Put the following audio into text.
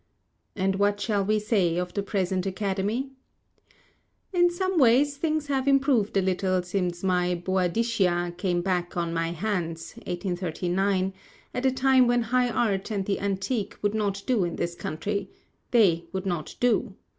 And what shall we say of the present Academy? In some ways, things have improved a little since my "Boadishia" came back on my hands (1839) at a time when High Art and the Antique would not do in this country: they would not do.